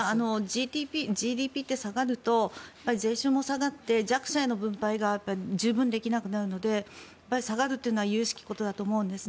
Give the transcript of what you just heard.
ＧＤＰって下がると税収も下がって弱者への分配が十分できなくなるので下がるというのは由々しきことだと思うんです。